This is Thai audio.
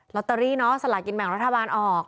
ลอตเตอรี่เนาะสลากินแบ่งรัฐบาลออก